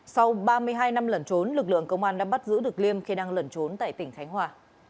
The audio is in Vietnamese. sau ba mươi hai năm lẩn trốn lực lượng công an đã bắt giữ được liêm khi đang lẩn trốn tại tỉnh khánh hòa